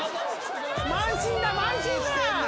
慢心だ慢心だ！